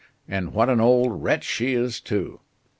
And what an old wretch she is too.